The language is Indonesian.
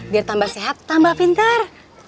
biar tambah sehat tambah pinter